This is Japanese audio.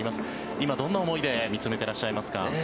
今、どんな思いで見つめてらっしゃいますか？